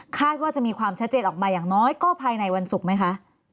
ว่าจะมีความชัดเจนออกมาอย่างน้อยก็ภายในวันศุกร์ไหมคะ